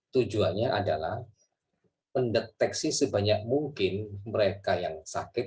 tujuannya adalah mendeteksi sebanyak mungkin mereka yang sakit